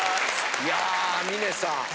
いや峰さん